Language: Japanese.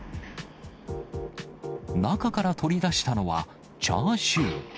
中から取り出したのは、チャーシュー。